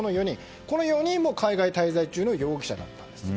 この４人も海外滞在中の容疑者だった。